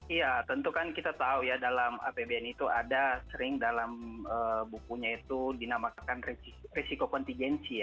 iya tentu kan kita tahu ya dalam apbn itu ada sering dalam bukunya itu dinamakan risiko kontingensi ya